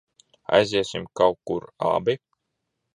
Aiziesim kaut kur abi?